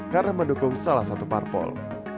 karena mendukung salah satu parpol